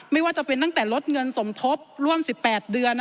ไม่ว่าจะเป็นตั้งแต่ลดเงินสมทบร่วม๑๘เดือน